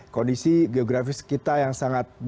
kondisi geografis kita yang sangat banyak sekali